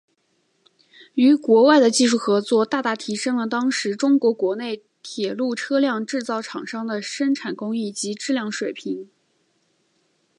与国外的技术合作大大提升了当时中国国内铁路车辆制造厂商的生产工艺及质量水平。